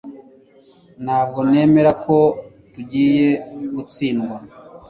Ntabwo nemera ko tugiye gutsindwa